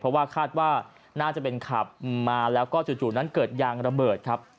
เพราะว่าคาดว่าน่าจะเป็นขับมาแล้วก็จู่นั้นเกิดยางระเบิดครับ